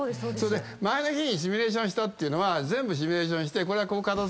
前の日にシミュレーションしたというのは全部シミュレーションしてこれはこう。